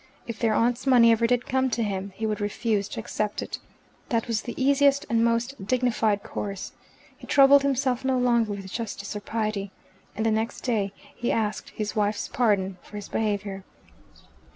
If their aunt's money ever did come to him, he would refuse to accept it. That was the easiest and most dignified course. He troubled himself no longer with justice or pity, and the next day he asked his wife's pardon for his behaviour.